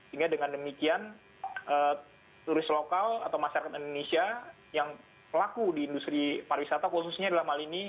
sehingga dengan demikian turis lokal atau masyarakat indonesia yang pelaku di industri pariwisata khususnya dalam hal ini